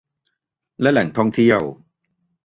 และแหล่งท่องเที่ยว